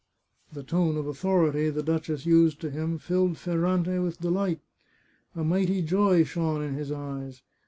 The tone of authority the duchess used to him filled Fer rante with delight. A mighty joy shone in his eyes.